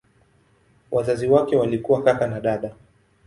Wazazi wake walikuwa kaka na dada.